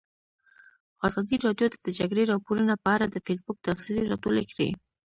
ازادي راډیو د د جګړې راپورونه په اړه د فیسبوک تبصرې راټولې کړي.